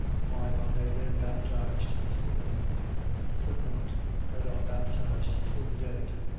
Why are they then baptized for them? That are baptized for the dead.